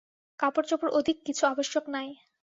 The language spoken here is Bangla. কাপড়-চোপড় অধিক কিছু আবশ্যক নাই।